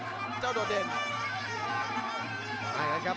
ประโยชน์ทอตอร์จานแสนชัยกับยานิลลาลีนี่ครับ